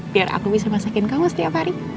biar aku bisa masakin kamu setiap hari